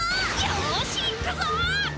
よし行くぞ！